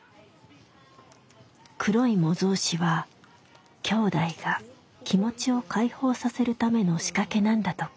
黒い模造紙はきょうだいが気持ちを解放させるための仕掛けなんだとか。